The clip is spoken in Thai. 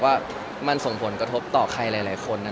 แล้วถ่ายละครมันก็๘๙เดือนอะไรอย่างนี้